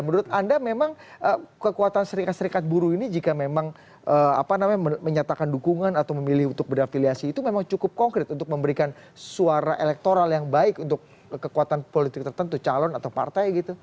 menurut anda memang kekuatan serikat serikat buruh ini jika memang menyatakan dukungan atau memilih untuk berafiliasi itu memang cukup konkret untuk memberikan suara elektoral yang baik untuk kekuatan politik tertentu calon atau partai gitu